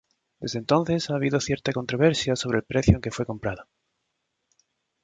Desde entonces ha habido cierto controversia sobre el precio en que fue comprado.